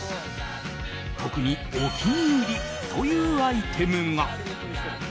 特にお気に入りというアイテムが。